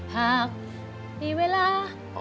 ค่ากเลย